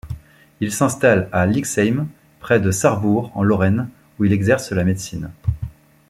Il s'installe à Lixheim, près de Sarrebourg en Lorraine, où il exerce la médecine.